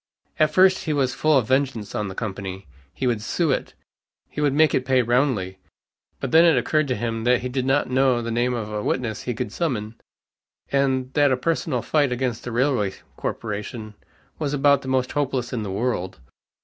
At first he was full of vengeance on the company. He would sue it. He would make it pay roundly. But then it occurred to him that he did not know the name of a witness he could summon, and that a personal fight against a railway corporation was about the most hopeless in the world.